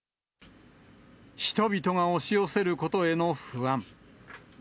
人々が押し寄せることへの不安。